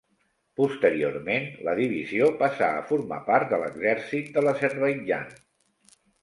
Posteriorment, la divisió passà a formar part de l'Exèrcit de l'Azerbaidjan.